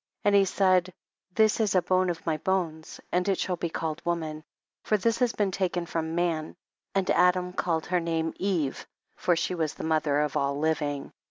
5. And he said, this is a bone of my bones and it shall be called woman, for this has been taken from man ; and Adam called her name Eve, for she was the mother of all living.